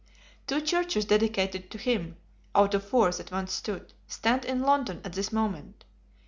Two churches dedicated to him (out of four that once stood) stand in London at this moment.